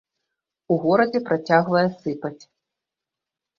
У горадзе працягвае сыпаць.